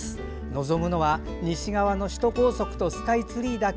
望むのは西側の首都高速とスカイツリーだけ。